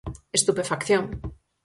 Estupefacción.